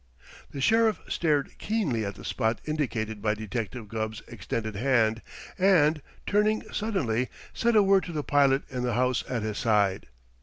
The Sheriff stared keenly at the spot indicated by Detective Gubb's extended hand and, turning suddenly, said a word to the pilot in the house at his side.